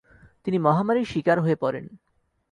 তিনি মহামারীর শিকার হয়ে পড়েন।